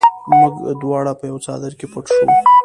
موږ دواړه په یوه څادر کې پټ شوو